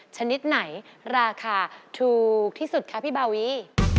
ชนิดไหนราคาถูกที่สุดคะพี่บาวี